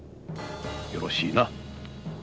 よろしいな